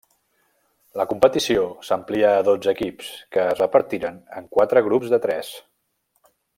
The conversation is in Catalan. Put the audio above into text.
La competició s'amplià a dotze equips, que es repartiren en quatre grups de tres.